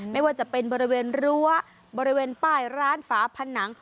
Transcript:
ไม่ว่าจะเป็นบริเวณรั้วบริเวณป้ายร้านฝาผนัง